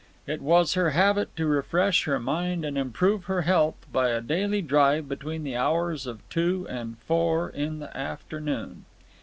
It was her habit to refresh her mind and improve her health by a daily drive between the hours of two and four in the afternoon.